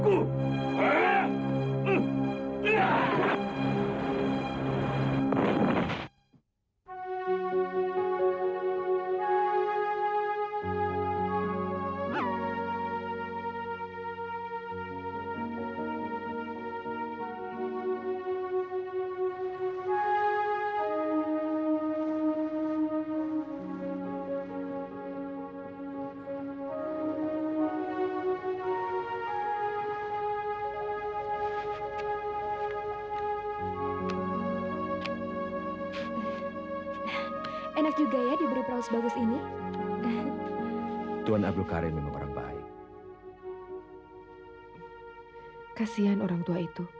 kasian orang tua itu